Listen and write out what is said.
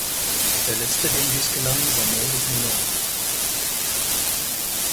Der letzte dem dies gelang war Moses Malone.